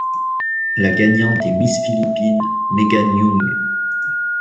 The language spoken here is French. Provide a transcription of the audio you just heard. La gagnante est Miss Philippines, Megan Young.